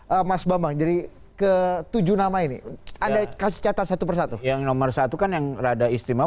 oke mas bambang jadi ke tujuh nama ini ada kasih catat satu persatu yang nomor satu kan yang rada istimewa